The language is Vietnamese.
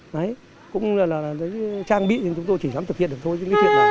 đấy cũng là trang bị thì chúng tôi chỉ dám thực hiện được thôi